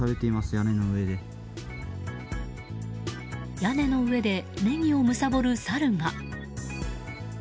屋根の上でネギをむさぼるサルが。